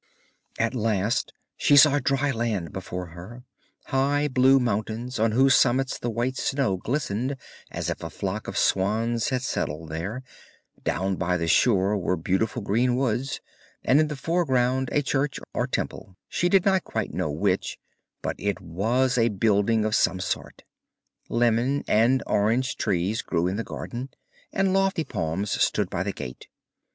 At last she saw dry land before her, high blue mountains on whose summits the white snow glistened as if a flock of swans had settled there; down by the shore were beautiful green woods, and in the foreground a church or temple, she did not quite know which, but it was a building of some sort. Lemon and orange trees grew in the garden, and lofty palms stood by the gate.